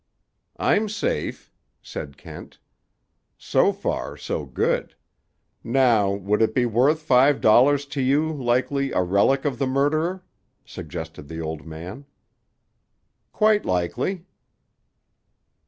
"I'm safe," said Kent. "So far so good. Now, would it be worth five dollars to you, likely, a relic of the murderer?" suggested the old man. "Quite likely."